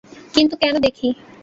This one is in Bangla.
কিন্তু কেন দেখি?